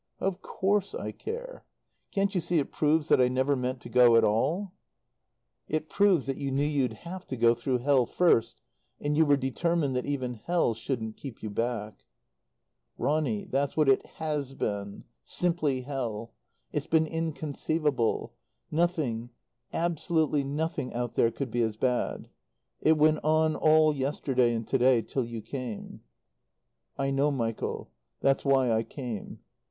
"Of course I care. Can't you see it proves that I never meant to go at all?" "It proves that you knew you'd have to go through hell first and you were determined that even hell shouldn't keep you back." "Ronny that's what it has been. Simply hell. It's been inconceivable. Nothing absolutely nothing out there could be as bad. It went on all yesterday and to day till you came." "I know, Michael. That's why I came."